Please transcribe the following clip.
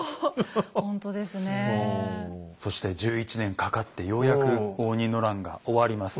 そして１１年かかってようやく応仁の乱が終わります。